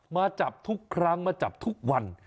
มาจับทุกครั้งมาจับทุกวัน